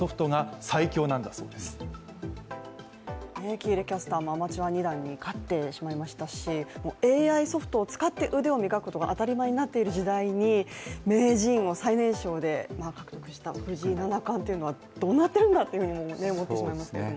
喜入キャスターもアマチュア二段に勝ってしまいましたし、ＡＩソフトを使って腕を磨くことが当たり前になっている時代に名人を最年少で獲得した藤井七冠っていうのはどうなっているんだと思ってしまいますけれども。